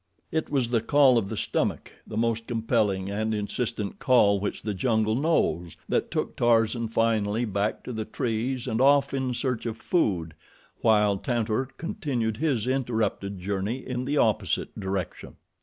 It was the call of the stomach the most compelling and insistent call which the jungle knows that took Tarzan finally back to the trees and off in search of food, while Tantor continued his interrupted journey in the opposite direction.